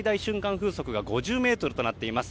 風速が５０メートルとなっています。